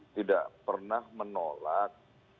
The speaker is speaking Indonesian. tidak pernah menolak